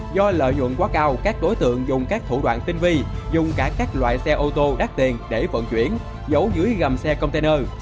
do lợi nhuận quá cao các đối tượng dùng các thủ đoạn tinh vi dùng cả các loại xe ô tô đắt tiền để vận chuyển giấu dưới gầm xe container